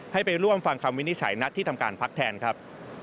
ให้ไปร่วมฟังคำวินิจฉัยนัดที่ทำการพักแทนครับ